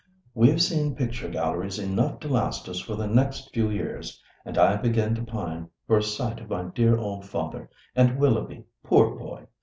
We've seen picture galleries enough to last us for the next few years, and I begin to pine for a sight of my dear old father, and Willoughby, poor boy!